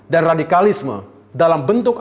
dan radikalisme dalam bentuk